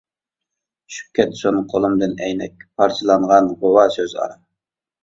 چۈشۈپ كەتسۇن قولۇمدىن ئەينەك، پارچىلانغان غۇۋا سۆز ئارا.